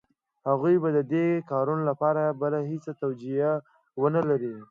هغوی به د دې کارونو لپاره بله هېڅ توجیه ونه لري.